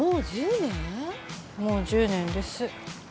もう１０年です。